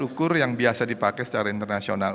ukur yang biasa dipakai secara internasional